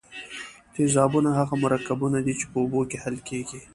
تیزابونه هغه مرکبونه دي چې په اوبو کې حل کیږي.